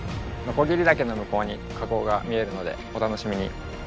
鋸岳の向こうに火口が見えるのでお楽しみに。